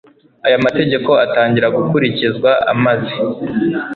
Aya mategeko atangira gukurikizwa amaze